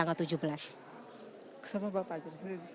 mungkin dari ibu dulu karena sesama kemarin ibu